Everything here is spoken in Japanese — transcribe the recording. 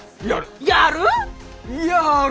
やる？